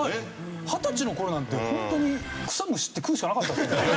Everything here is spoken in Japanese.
二十歳の頃なんてホントに草むしって食うしかなかった。